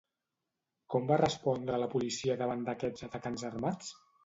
Com va respondre la policia davant d'aquests atacants armats?